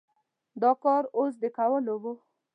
دا کار اوس د کولو و؟